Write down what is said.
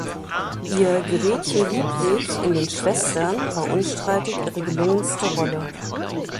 Ihr ‚Gretchen Lieblich‘ in den ‚Schwestern‘ war unstreitig ihre gelungenste Rolle.